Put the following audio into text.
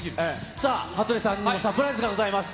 さあ、羽鳥さんにもサプライズがございます。